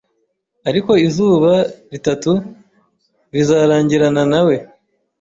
Ariko izuba ritatu bizarangirana na we